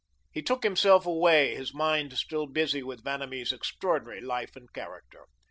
He took himself away, his mind still busy with Vanamee's extraordinary life and character.